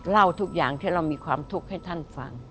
เล่าทุกอย่างที่เรามีความทุกข์ให้ท่านฟัง